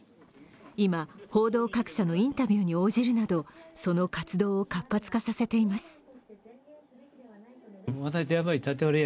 今、報道各社のインタビューに応じるなど、その活動を活発化させています。